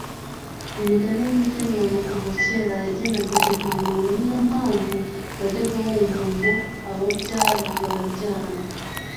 imigani y’imigenurano kuva na kera yagenaga impanuro niyo mpamvu wajyaga wumva ngo ababyara barabyarana